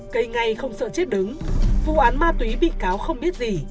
cây ngay không sợ chết đứng vụ án ma túy bị cáo không biết gì